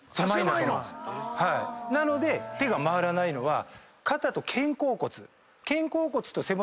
なので手が回らないのは肩と肩甲骨。